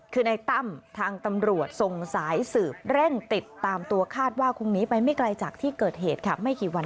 ขอบคุณครับ